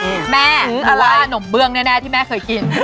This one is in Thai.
อืมอะไรแม่หรือว่านมเบื้องแน่ที่แม่เคยกิน